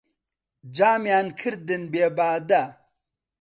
جامیان کردن بێ بادە